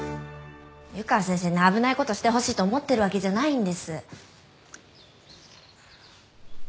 湯川先生に危ないことしてほしいと思ってるわけじゃないんです。